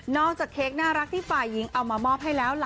จากเค้กน่ารักที่ฝ่ายหญิงเอามามอบให้แล้ว